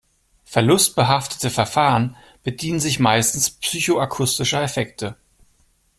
Verlustbehaftete Verfahren bedienen sich meistens psychoakustischer Effekte.